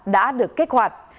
đã được kết hoạt